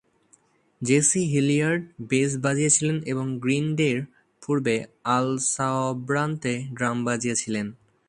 JC Hilliard bass বাজিয়েছিলেন এবং গ্রীন ডে'র পূর্বে আল সব্রান্তে ড্রাম বাজিয়েছিলেন।